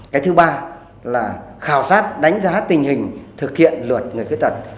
cái thứ ba là khảo sát đánh giá tình hình thực hiện luật người khuyết tật